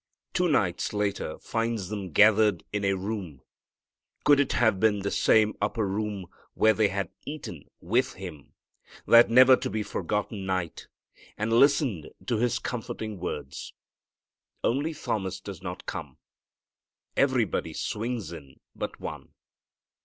Two nights later finds them gathered in a room. Could it have been the same upper room where they had eaten with Him that never to be forgotten night, and listened to His comforting words? Only Thomas does not come. Everybody swings in but one.